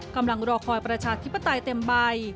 กำลังรอคอยประชาธิปไตยเต็มใบ